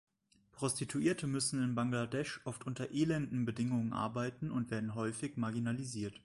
Prostituierte müssen in Bangladesch oft unter elenden Bedingungen arbeiten und werden häufig marginalisiert.